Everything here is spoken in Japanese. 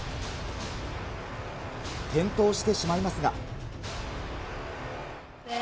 転倒してしまいますが。